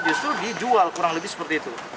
justru dijual kurang lebih seperti itu